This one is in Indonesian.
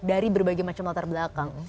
dari berbagai macam latar belakang